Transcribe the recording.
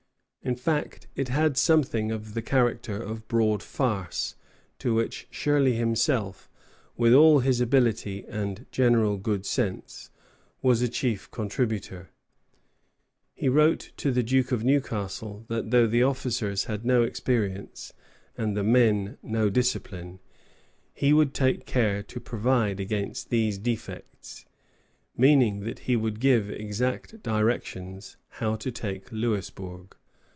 In fact, it had something of the character of broad farce, to which Shirley himself, with all his ability and general good sense, was a chief contributor. He wrote to the Duke of Newcastle that though the officers had no experience and the men no discipline, he would take care to provide against these defects, meaning that he would give exact directions how to take Louisbourg.